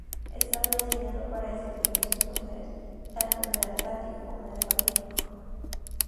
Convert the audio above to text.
Estaba diseñado para desempeñar sus funciones tanto en el Atlántico, como en el Pacífico.